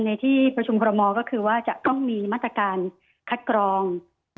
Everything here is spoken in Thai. ในที่ประชุมคอรมอลก็คือว่าจะต้องมีมาตรการคัดกรอง